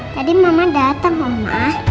tadi mama dateng omah